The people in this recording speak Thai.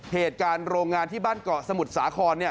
เหตุการณ์โรงงานที่บ้านเกาะสมุทรสาคร